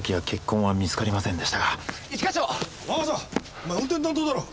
お前運転担当だろう。